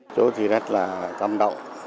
chỗ thì rất là cảm động